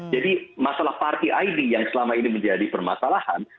jadi masalah partai aidi yang selama ini menjadi permasalahan